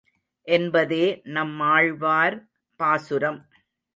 என்பதே நம்மாழ்வார் பாசுரம்.